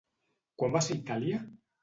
Quan va ser a Itàlia?